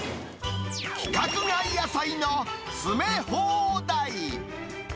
規格外野菜の詰め放題。